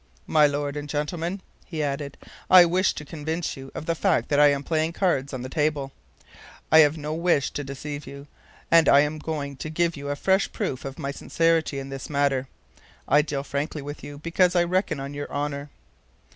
"My Lord and gentlemen," he added, "I wish to convince you of the fact that I am playing cards on the table. I have no wish to deceive you, and I am going to give you a fresh proof of my sincerity in this matter. I deal frankly with you, because I reckon on your honor."